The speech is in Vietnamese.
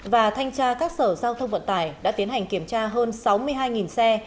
và thanh tra các sở giao thông vận tải đã tiến hành kiểm tra hơn sáu mươi hai xe